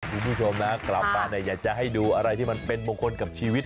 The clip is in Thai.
คุณผู้ชมนะกลับมาเนี่ยอยากจะให้ดูอะไรที่มันเป็นมงคลกับชีวิต